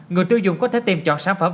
người tiêu dùng có thể tìm chọn sản phẩm